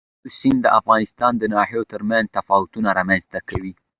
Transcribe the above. کندز سیند د افغانستان د ناحیو ترمنځ تفاوتونه رامنځ ته کوي.